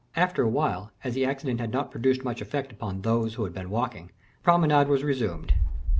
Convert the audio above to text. After a while, as the accident had not produced much effect upon those who had been walking, the promenade was resumed.